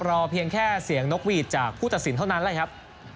เพียงแค่เสียงนกหวีดจากผู้ตัดสินเท่านั้นแหละครับ